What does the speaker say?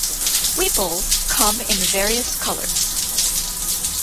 Weepuls come in various colors.